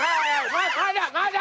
まだまだ！